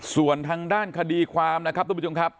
ส่วนทางด้านคดีความนะครับทุกผู้ชมครับ